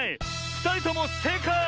ふたりともせいかい！